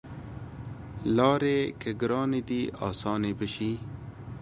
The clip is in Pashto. لاری که ګرانې دي اسانې به شي